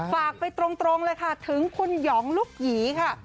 ฝากไปตรงเลยค่ะถึงคุณหยองลูกหยีค่ะ